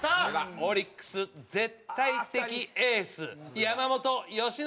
まずはオリックスの絶対的エース山本由伸